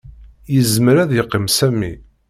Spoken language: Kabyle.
Yezmer ad yeqqim Sami.